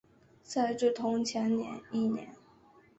赛制同前一年。